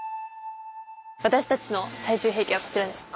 私たちの最終兵器はこちらです。